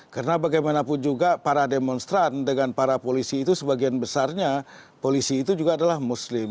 karena bagaimanapun juga para demonstran dengan para polisi itu sebagian besarnya polisi itu juga adalah muslim